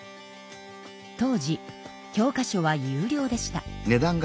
当時教科書は有料でした。